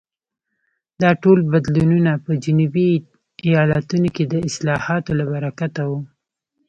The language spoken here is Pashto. دا ټول بدلونونه په جنوبي ایالتونو کې د اصلاحاتو له برکته وو.